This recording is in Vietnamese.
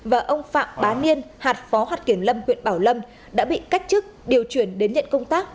và ông phạm bá niên hạt phó hạt kiểm lâm huyện bảo lâm đã bị cách chức điều chuyển đến nhận công tác